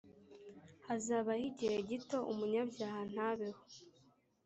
hazabaho igihe gito umunyabyaha ntabeho